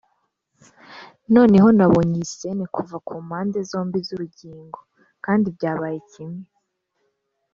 noneho nabonye iyi scene kuva kumpande zombi zurugingo, kandi byabaye kimwe;